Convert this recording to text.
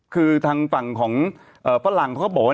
คือทางฝั่งของฝรั่งเขาก็บอกว่า